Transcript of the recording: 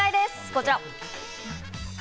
こちら。